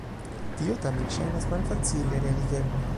Tio tamen ŝajnas malfacile realigebla.